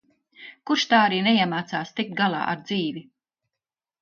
Kurš tā arī neiemācās tikt galā ar dzīvi.